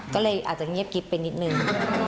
ก็เลยอาจจะเงียบไปนิดหนึ่ง